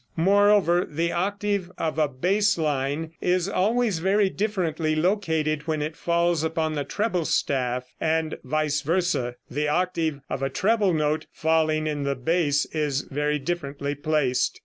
Moreover, the octave of a bass line is always very differently located when it falls upon the treble staff, and, vice versa, the octave of a treble note falling in the bass is very differently placed.